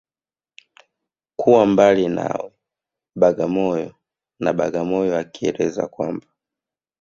Kuwa mbali nawe Bagamoyo na Bagamoyo akieleza kwamba